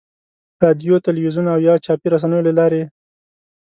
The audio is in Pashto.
رادیو، تلویزیون او یا چاپي رسنیو له لارې.